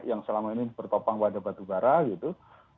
yang selama ini bertopang pada batu bara gitu